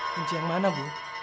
kunci yang mana bu